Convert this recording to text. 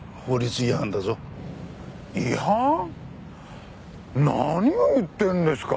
違反？何を言ってるんですか！